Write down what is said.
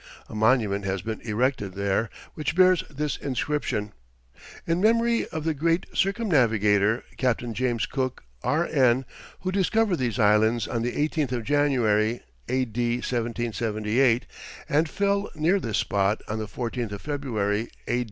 A monument has been erected there, which bears this inscription: "In Memory of the Great Circumnavigator Captain James Cook, R. N., who discovered these islands on the 18th of January, A. D. 1778, and fell near this spot on the 14th of February, A.